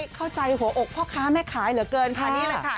เข้าใจหัวอกพ่อค้าแม่ขายเหลือเกินค่ะนี่แหละค่ะ